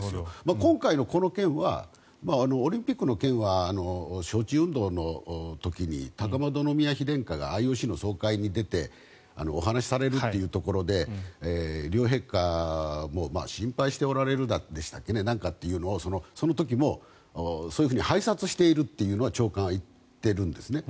今回のこの件はオリンピックの件は招致運動の時に高円宮妃殿下がＩＯＣの総会に出てお話しされるということで両陛下も心配しておられるか何かというのもその時もそういうふうに拝察していると長官は言っているんですね。